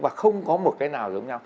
và không có một cái nào giống nhau